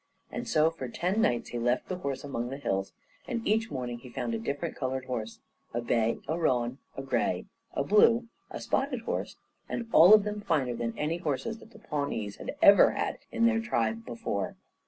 And so for ten nights, he left the horse among the hills, and each morning he found a different coloured horse, a bay, a roan, a gray, a blue, a spotted horse, and all of them finer than any horses that the Pawnees had ever had in their tribe before.